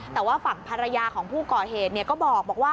แต่ว่าฝั่งภรรยาของผู้ก่อเหตุก็บอกว่า